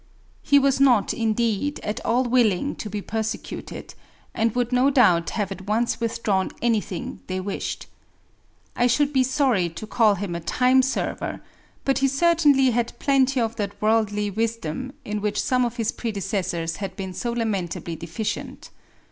He was not, indeed, at all willing to be persecuted, and would no doubt have at once withdrawn anything they wished. I should be sorry to call him a time server, but he certainly had plenty of that worldly wisdom in which some of his predecessors had been so lamentably deficient.